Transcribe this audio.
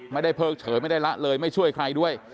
ไม่ได้เผลอเฉยไม่ได้ระเลยไม่ช่วยใครด้วย